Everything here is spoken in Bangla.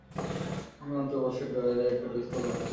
আমি অন্তর্বাসের ড্রয়ারে একটা পিস্তল রাখি।